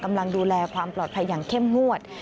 กำลังดูแลความปลอดภัยอย่างเข้มงวด